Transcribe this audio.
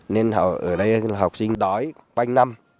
nên ở đây học sinh đói quanh năm